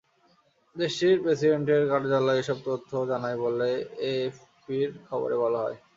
দেশটির প্রেসিডেন্টের কার্যালয় এসব তথ্য জানায় বলে এএফপির খবরে বলা হয়।